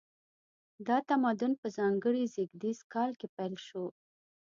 دا تمدن په ځانګړي زیږدیز کال کې پیل شو.